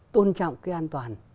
tôn trọng cái an toàn